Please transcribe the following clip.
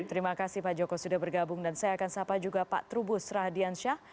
terima kasih pak joko sudah bergabung dan saya akan sapa juga pak trubus rahadiansyah